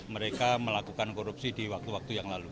mereka melakukan korupsi di waktu waktu yang lalu